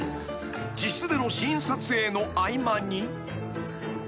［自室でのシーン撮影の合間に］